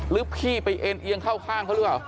ลึบขี้ไปเอียงเข้าข้างเข้าเรือ